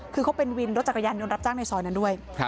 คือเขาเป็นวินรถจักรยานยนต์รับจ้างในซอยนั้นด้วย